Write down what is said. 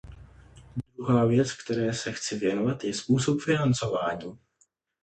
Druhá věc, které se chci věnovat, je způsob financování.